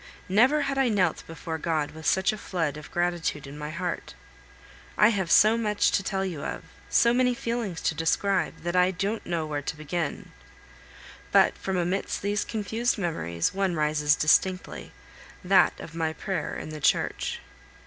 Never had I knelt before God with such a flood of gratitude in my heart. I have so much to tell you of, so many feelings to describe, that I don't know where to begin; but from amidst these confused memories, one rises distinctly, that of my prayer in the church.